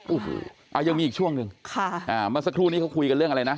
อูหูอ่ะยังมีอีกช่วงหนึ่งมาสักครู่นี้เขาคุยกันเรื่องอะไรนะ